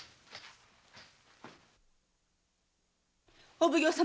お奉行様。